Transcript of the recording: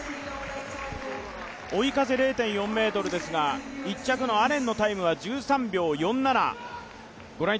追い風０．４メートルですが１着のアレンのタイムは１３秒４７。